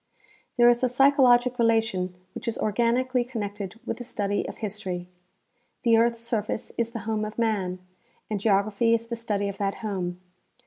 There is a psychologic relation which is organically connected with the study of history. The earth's surface is the home of man, and geography is the study of that home.